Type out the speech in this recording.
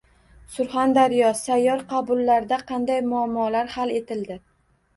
Surxondaryo: sayyor qabullarda qanday muammolar hal etildi?